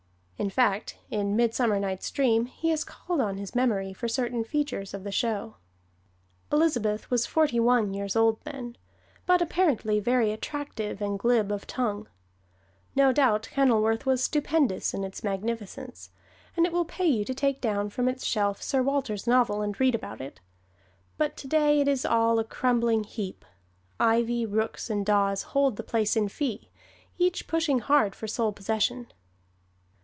In fact, in "Midsummer Night's Dream" he has called on his memory for certain features of the show. Elizabeth was forty one years old then, but apparently very attractive and glib of tongue. No doubt Kenilworth was stupendous in its magnificence, and it will pay you to take down from its shelf Sir Walter's novel and read about it. But today it is all a crumbling heap; ivy, rooks and daws hold the place in fee, each pushing hard for sole possession.